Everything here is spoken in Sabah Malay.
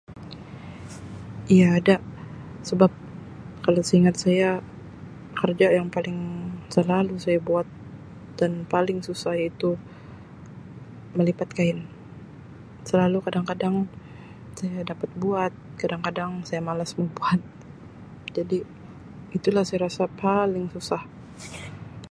Iya ada sebab kalau seingat saya kerja yang paling selalu saya buat dan paling susah iaitu melipat kain selalu kadang-kadang saya dapat buat kadang-kadang saya malas mau buat jadi itulah saya rasa paling susah.